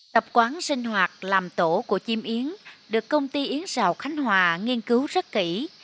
tập quán sinh hoạt làm tổ của chim yến được công ty yến xào khánh hòa nghiên cứu rất kỹ